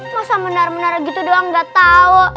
masa menara menara gitu doang gatau